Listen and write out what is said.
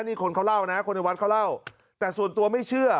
นี่คนเขาเล่านะคนในวัดเขาเล่าแต่ส่วนตัวไม่เชื่อ